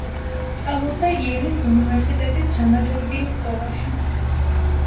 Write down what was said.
სწავლობდა იელის უნივერსიტეტის დრამატურგიის სკოლაში.